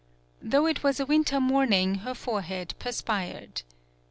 Though it was a win ter morning her forehead perspired.